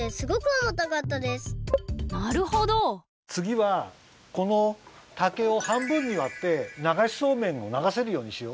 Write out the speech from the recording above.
つぎはこの竹を半分にわってながしそうめんをながせるようにしよう。